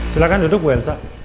silahkan duduk bu elsa